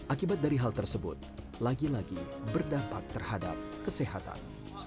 akibat dari hal tersebut lagi lagi berdampak terhadap kesehatan